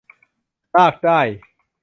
ลากได้